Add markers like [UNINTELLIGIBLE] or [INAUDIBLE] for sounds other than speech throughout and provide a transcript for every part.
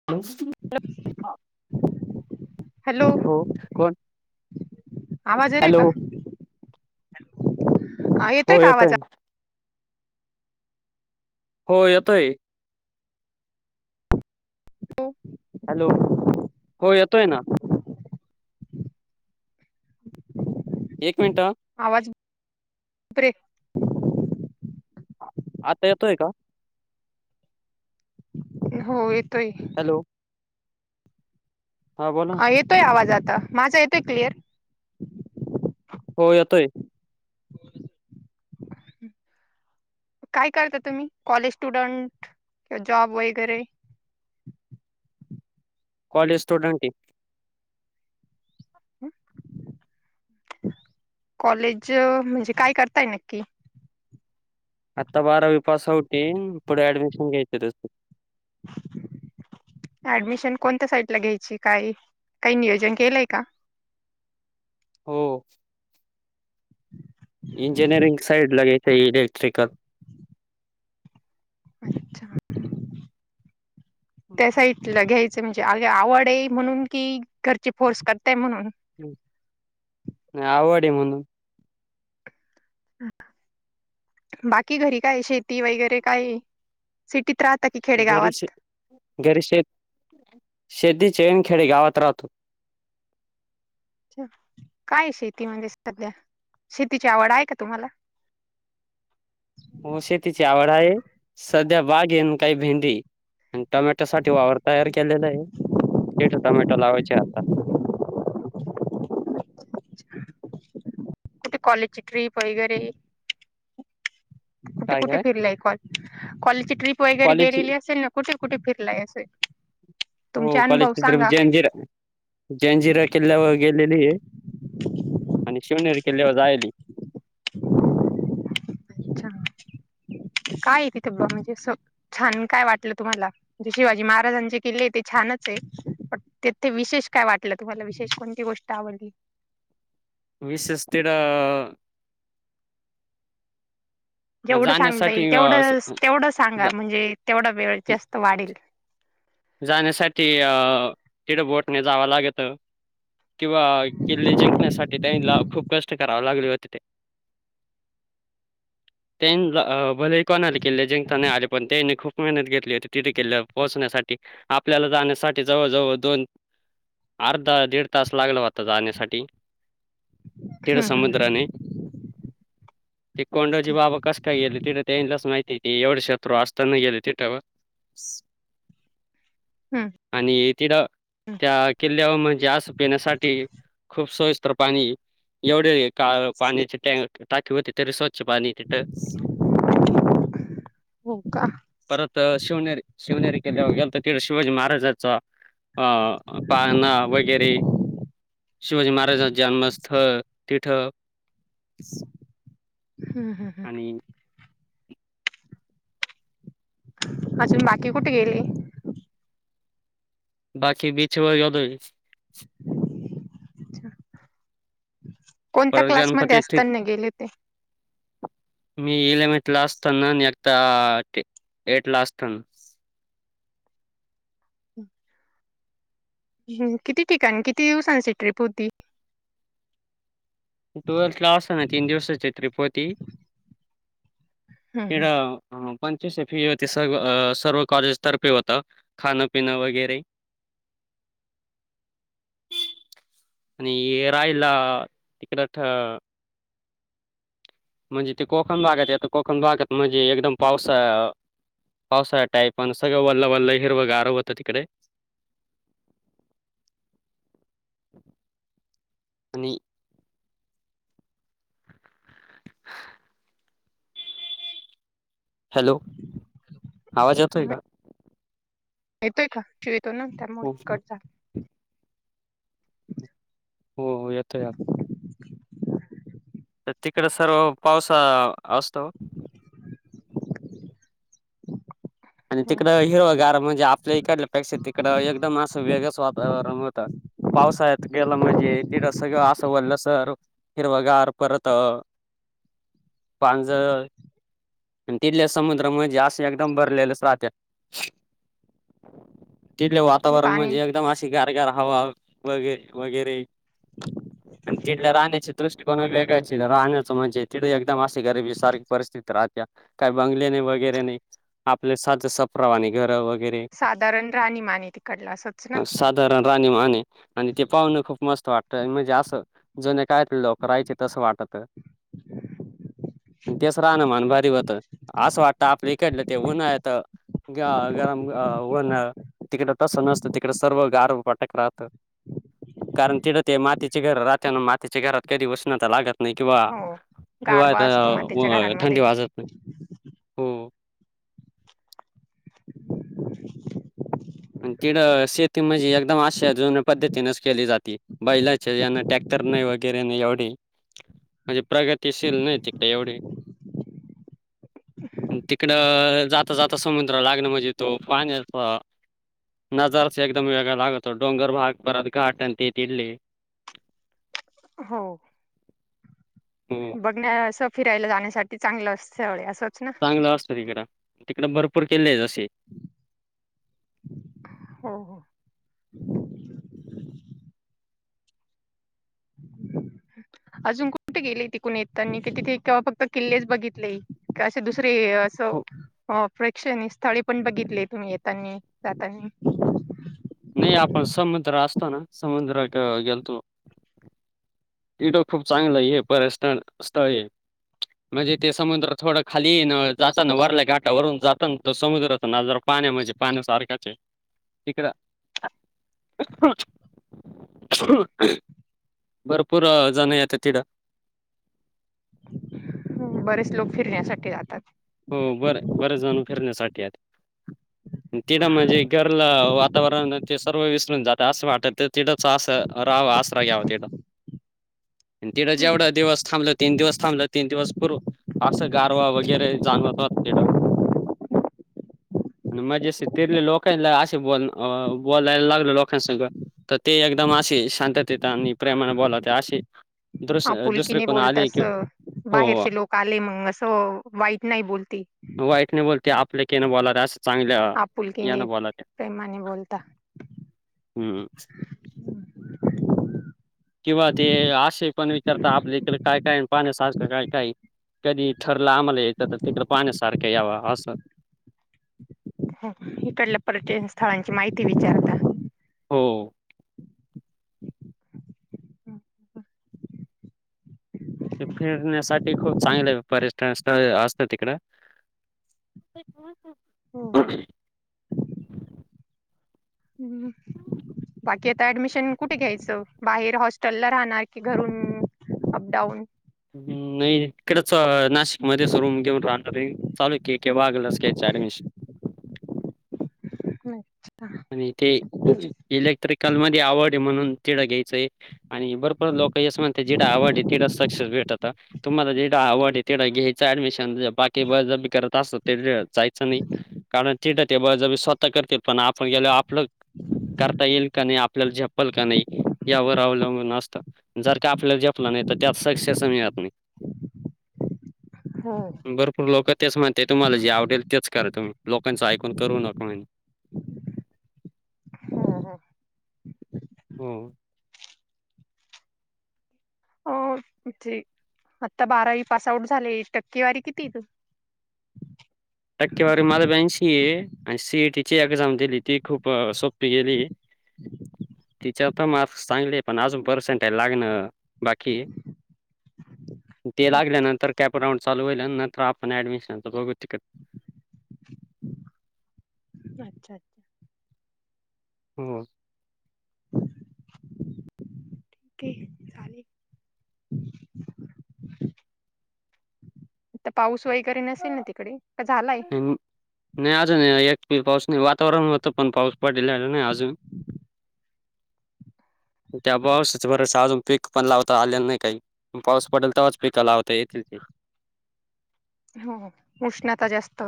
[INAUDIBLE] Hello हो कोण आवाज ये य हॅलो का आ येतोय हो का आवाज ना हो येतोय [INAUDIBLE] हॅलो हो येतोय ना येक मिनिट आवाज ब्रेक आत्ता येतोय का हो येतोय हॅलो हा बोला हा येतोय आवाज आता, माझा येतोय क्लिअर? हो येतोय काय करता तुमी कॉलेज स्टुडंट वा जॉब वगैरे? कॉलेज स्टुडंटए कॉलेज म्हणजे काय करताय नक्की आत्ता बारावी पास आऊटए पुड ऍडमिशन घ्यायच ऍडमिशन कोणत्या साईट न घ्यायची, काय काई नियोजन केलंय का? हो इंजिनिअरिंग साईड ला घेत इलेक्ट्रिकल अच्छा [INAUDIBLE] [INAUDIBLE] त्या साईडला घ्यायचं म्हणजे अगी आवडए म्हणून कि घरचे फोर्स करताय म्हणून नइ आवडए म्हणून बाकी घरी कायए शेती वगैरे कायए सिटीत राहता की घरी शे खेडेगावात घरी शेत शेती चेन खेडे गावात राहतो काय शेती म्हणजे सध्या, शेतीची आए का का तुमाला? हो शेतीची आवड आए सद्या बागी येन काइ भेंडी आण टोमॅटो साटी वावर तयार केलेलाए तिट टमॅटो लावायचे आता कुटे कॉलेची ट्रीप वैगर कुटे काय कुटे काय फिरलाय कॉलेज कॉलेची ट्रिप वगैरे कॉलेजची गेलेली असेल ना कुटे कुटे फिरलाय असे हो कॉलेची ट्रिप जंजिरा जंजिरा किल्यावर गेलेलीए आण शिवनेरी किल्ल्यावर जायली अच्छा काए तित पण अस छान काय वाटलं तुम्हाला शिवाजी महाराजांचे किल्ले ते छानचए पण तेथे विशेष काय वाटलं तुमाला विशेष कोणती गोष्ट आवडली विशेष तेराआ जेवड सांगता येईल जाण्यासाठी अ स तेवडस तेवड सांगा जा म्हणजे तेवडा वेळ जास्त वाडेल जाण्यासाटी तिड बोटने जावं लागतं किंवा किल्ले जिंकण्यासाठी त्यांनला खूप कष्ट कराव लागले होते ते [UNINTELLIGIBLE] त्यांन बअ भलेही कोणाले केल्ले जेंकता नाई आले पण त्यांइने खूप मेहनत घेतली होती तिथे केल्ल्यावर पोचण्यासाठी आपल्याला जाण्यासाठी जवळ, जवळ दोन अर्धा, दीड तास लागला होता जाण्यासाठी तेिड हम्म हम्म समुद्राने ते कोंडाजी बाबा कस का गेले तिट ते लस माहिती एवढे शत्रू असताना गेले तिट वर... हम्म. आणि तिट त्या किल्ल्यावर म्हणजे आस पिण्यासाठी खूप सोविस्त पाणी एवढे का पाण्याची टाॅ टाकी होती तरी स्वच्छ पाणी तिथ. हो का [INAUDIBLE] परत शिवनेरी शिवनेरी किल्ल्यावर गेलतो तिथ शिवाजी महाराजाचा अ पाळना वगैरे शिवाजी महाराजांच जन्म स्थळ टिठ अ हम्म, हम्म. आणि अजून बाकी कुठे गेले? बाकी बीछ वर गेलोय. कोणत्या परत क्लास मध्ये गणपती असता ना गेले होते? मी इलेवनथ ला असतानाता, एकदा एठ ला असताना. हे किती ठिकाण, किती दिवसांची ट्रिप होती? टुवेल ट्रॅव्हल्स असना तीन दिवसच्या ट्रीप होती हं [INAUDIBLE] तिट हं ह पंचश फी होती सर सर्व काॅलेज तर्फे होत खान पिन वगैरे. आणि रायला तिकड ठ म्हणजे ते कोकण भागत येत कोकण भागत म्हणजे एकदम पावसा पावसाळ्या टाईपण सगळं वल्ल, वल्ल हिरव गार होत तिकडे. आणि हॅलो [INAUDIBLE] आवाज येतोय का? येतोय का? ठेवितो नंतर मग हो कट झाला. हो हो येतो आत प्रत्येकाला सर्व पावसा असतो हो. आणि हं तिकडं म्हणजे हिरवगार म्हणजे आपल्या इकडल्यापेक्षा तिकडं एकदम असं वेगंच वातावरण होतं. पावसाळ्यात गेल म्हणजे तिथं सगळं असं वरलं सर हिरवगार परत पांजर [INAUDIBLE] तिथल्या समुद्र म्हणजे अस एकदम भरलेलं राहण्यात तिथल वातावरण पाणी म्हणजे एकदम असे ती गार, गार हवा वगैरे, वगैरे तिथल्या राहण्याच्या दृष्टीकोन वेगाळाच हे राहण्याचं म्हणजे तिथ एकदम अशी गरबी सारख परिस्थिती राहत्या काय बंगले नाही, वगैरे नाही. साद सफरावानी घर व साधारण राहणी मान आहे तिकडला असच ना? साधारण राहणी मान आणि ते पाहुणं खूप मस्त वाटतं म्हणजे असं जुने काळातले लोक करायची तसं वाटत. [INAUDIBLE] आणि तेच राहणं मान भारी होत असं वाटतं आपल्या इकड ते उन्हाळ्यात गरम होन तिकडं तसं नसतं तिकडे सर्व गार वाटक राहत. कारण तिड ते मातीचे घर राहतना मातीच्या घरात कधी उषणता लागत नाही किंवा हो. गारवा असतो मातीच्या हिवाळ्यात घरांमध्ये थंडी वाजत नाही, हो. तिड शेती म्हणजे एकदम अशा जुन्या पद्धतीनेच केली जाती. बैलाचे यांना टॅक्टर नाही वगैरे नाही एवढे. म्हणजे प्रगतीशील नाही तिकडे एवढी. तिकडं जाता जाता समुद्र लागण म्हणजे तो पाण्याचा. नजारच एकदम वेगळा लागतो डोंगर भाग परत घाट त तिडली. हो, हम्म, बघण्यां फिरायला जाण्यासाठी चांगलं अस असंच ना. फिरलो असत तिकड तिकडे भरपूर किल्ले जसे. हो हो, अजून कुठे गेले तिकून येतनी तिथे केव फक्त किल्लेच बघितले. का असे दुसरे असं हो हो, प्रेक्ष नाही स्थळे पण बघितली तुम्ही येतानी जातानी. नाही आपण समुद्र असतो ना समुद्रचा गेलतो. तट खूप चांगलं आहे पर्यन स्थळ आहे म्हणजे ते समुद्र थोडा. खाली नळ जाताना वरल्या गाटा वरून जाताना त समुद्राचा ना जरा पाण्या म्हणजे पाण्यासारख्याचे हाय. तिकड. पूर जाण येत तिडं. बरेच लोक फिरण्यासाठी जातात. हो बरं बरं जाणून फिरण्यासाठी येतात. तिथं म्हणजे घरलं वातावरण ते सर्व विसरून जातं असं वाटत. तिडच आ राहाव आसरा घ्यावा तिड तिडं जेवढा दिवस थांबलत. तीन दिवस थांबलं तीन दिवस पूर अ गारवा वगैरे जाणवत तीड. ह [INAUDIBLE] आणि मजे अस तिरले लोकांला असे ब बोलायला लागलं लोकांस. तर ते एकदम असे शांततेेत आणि प्रेमाने बोलावते असे. दस दुसरे आपुलकीने कोणा बोलत आले किंवा असं हो, बाहेरचे लोक आले मग असं वाईट नाही बोलती. वईट एकटने बोलत आप ललेके ना बोला रस. चांगल्या या आपुलकीने ना बोला त्या प्रेमाने बोलता हम्म, किंवा ते आशे पण विचारत आपल्या इक काय काय पाण्यासारखं काय काय. कधी ठरलं आम्हाला येतं तर तिकडं पाण्यासारखं यावं असं. इकडल्या पर्यन स्थळांची माहिती विचारता. हो फिरण्यासाठी खूप चांगले पर्यटन पर्यटन स्थळ असत तिकड. अ हो हो [INAUDIBLE] हम्म, बाकी आता ऍडमिशन कुठे घ्यायचं बाहेर हॉस्टेल ला राहणार की घरून अप डाऊन. नाही तिकडेच अ नाशिकमध्येच रूम घेऊन राहणार हाय. चालू आहे की, केव्हा गलस घ्यायचे ऍडमिशन. अच्छा [INAUDIBLE] आणि ते इलेक्ट्रिकल मध्ये आवड म्हणून तिडं घ्यायचंय. आणि भरपर लोक यश म्हणते जिडं आवडली तिडंच सक्सेस भेटत. तुम्हाला जेढा आवड आहे तेवढं घ्यायचं ऍडमिशन बाकी ब जी करत असतो ते जायचं नाही. कारण तेड ते बजबी स्वतः करतील पण आपण गेलो आपलं. करता येईल का नाही आपल्याला झपल का नाही. यावर अवलंबून असतं जर का आपल्याला जेपलं नाही तर त्यात सक्सेस मिळत नाही. हो, भरपूर लोक तेच म्हणते तुम्हाला जे आवडेल तेच करा तुम्ही लोकांचं ऐकून करू नका म्हणे हो. म्हणजे आता बारावी पास आउट झाले टक्केवारी किती तु? टक्केवारी मला बँनशी ए आणि सी ए टीची एक्झाम दिली ती खूप सोपी गेली हम्म. तिच्या तर मार्क्स चांगले पण अजून पर्सेंट लागणं बाकी ते लागल्यानंतर कॅपराऊंड चालू होईल्या नंतर आपण ऍडमिशन बघू तिकड अच्छा अच्छा. हो. ठीक आहे. तर पाऊस वगैरे नसेल ना तिकडे का झालाय? नाही अजून एक पाऊस नाही वातावरण हो तर पण पाऊस पडललेला नाही अजून [UNINTELLIGIBLE] त्या पावसाचं बरस पीक पण लावता आलेला नाहीये अजून काही पाऊस पडेल तेव्हाच पिक लावता येतील ते. हो हो उष्णता जास्त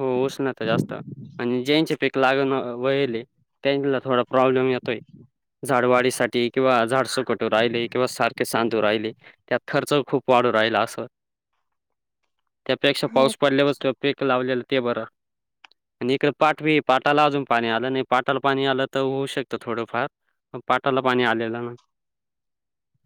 हो उष्णता जास्त आणि ज्यांचे पीक लावेल होईल आहे त्यांना थोडा प्रॉब्लेम येतो आहे. झाडवाडीसाठी किंवा झाड सुकू राहिले किंवा सारखे शांतू राहिले. त्यात खर्च खूप वाढू राहिला असं त्यापेक्षा हो पाऊस पडल्यावर पीक लावलेलं ते बर आणि इकडं पाट बी पाटाला अजून पाणी आलं नाही पाटाला पाणी आलं तर होऊ शकतं थोडंफार पाटाला पाणी आलेलं ना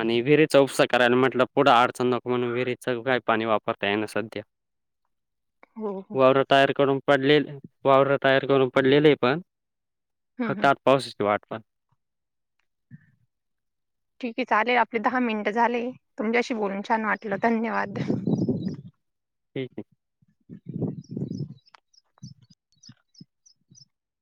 आणि विहिरीचा उपसा करायला म्हटलं पुढं अडचण नक म्हणून विहिरीचं काय पाणी वापरता ये ना सध्या. हो. हो पूर्ण तयार करून पडलेले आहे वावर तयार करून पडलेले पण हम्म फक्त हम्म आता पाऊसाची वाट पहात. [UNINTELLIGIBLE] ठीक आहे चालेल आपले दहा मिनट झाले तुमच्याशी बोलून छान वाटलं धन्यवाद. ठीक आहे.